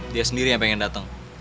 dia sendiri yang pengen datang